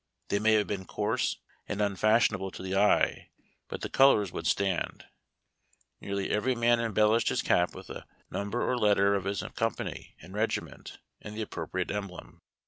They may have been coarse and unfashion able to the eye, but the colors would stand. Nearly every man embellished his cap with the number or letter of his company and regiment and the appropriate emblem.